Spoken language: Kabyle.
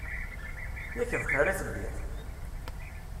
Yak bxir i telliḍ!